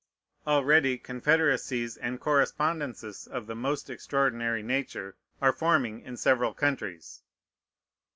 Already confederacies and correspondences of the most extraordinary nature are forming in several countries.